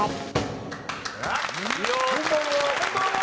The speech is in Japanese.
こんばんは！